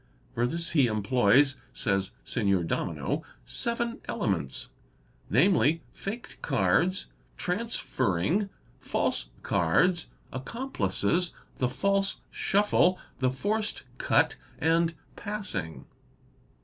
For this he employs, says Signor Domino, seven elements, namely, faked cards, transferring, false cards, accomplices, the false shuffle, the forced cut, and passing.